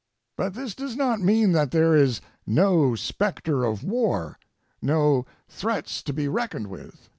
But this does not mean that there is no specter of war, no threats to be reckoned with.